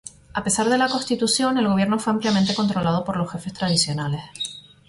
A pesar de la constitución, el gobierno fue ampliamente controlado por los jefes tradicionales.